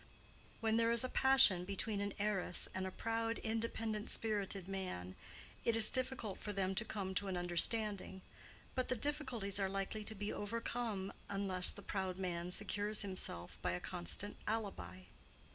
When there is a passion between an heiress and a proud independent spirited man, it is difficult for them to come to an understanding; but the difficulties are likely to be overcome unless the proud man secures himself by a constant alibi.